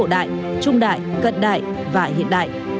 tất cả các lĩnh vực cổ đại trung đại cận đại và hiện đại